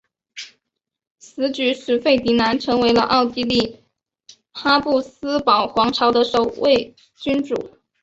此举使费迪南成为了奥地利哈布斯堡皇朝的首位君主。